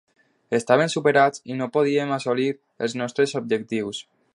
Estàvem superats i no podíem assolir els nostres objectius.